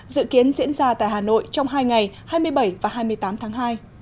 dự kiến diễn ra tại hà nội trong hai ngày hai mươi bảy và hai mươi tám tháng hai